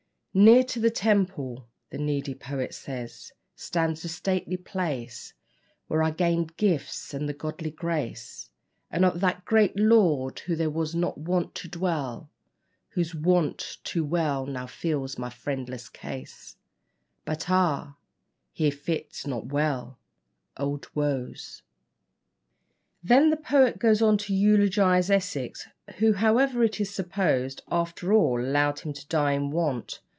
"Near to the Temple," the needy poet says, "Stands a stately place, Where I gayned giftes and the goodly grace Of that great lord who there was wont to dwell, Whose want too well now feels my friendless case; But, ah! here fits not well Old woes." Then the poet goes on to eulogise Essex, who, however, it is supposed, after all allowed him to die in want.